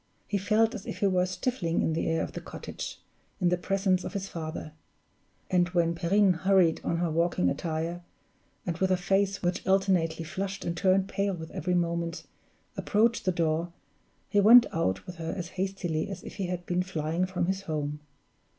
He felt as if he were stifling in the air of the cottage, in the presence of his father; and when Perrine hurried on her walking attire, and with a face which alternately flushed and turned pale with every moment, approached the door, he went out with her as hastily as if he had been flying from his home.